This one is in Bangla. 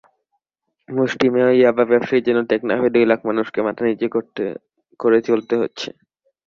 মুষ্টিমেয় ইয়াবা ব্যবসায়ীর জন্য টেকনাফের দুই লাখ মানুষকে মাথানিচু করে চলতে হচ্ছে।